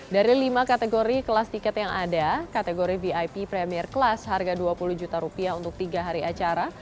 dari lima kategori kelas tiket yang ada kategori vip premier kelas harga dua puluh juta rupiah untuk tiga hari acara